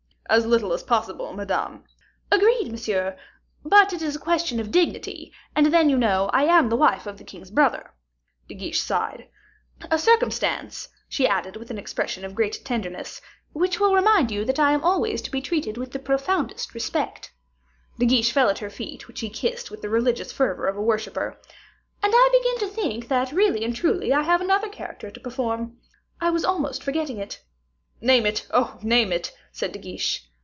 "As little as possible, Madame." "Agreed, monsieur; but it is a question of dignity; and then, you know, I am the wife of the king's brother." De Guiche sighed. "A circumstance," she added, with an expression of great tenderness, "which will remind you that I am always to be treated with the profoundest respect." De Guiche fell at her feet, which he kissed, with the religious fervor of a worshipper. "And I begin to think that, really and truly, I have another character to perform. I was almost forgetting it." "Name it, oh! name it," said De Guiche.